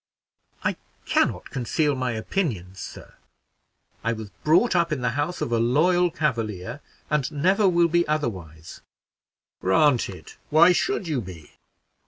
"I can not conceal my opinions, sir; I was brought up in the house of a loyal Cavalier, and never will be otherwise." "Granted why should you be?